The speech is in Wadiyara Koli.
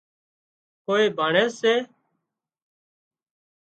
ڪوئي ڀانڻيز سي